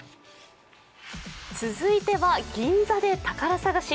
続いては銀座で宝探し。